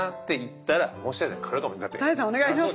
お願いします！